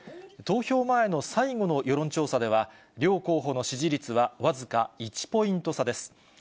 投票前の最後の世論調査では、両候補の支持率は僅か１ポイント差です。